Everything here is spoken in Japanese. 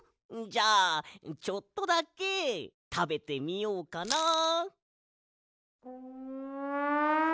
じゃあちょっとだけたべてみようかなあ。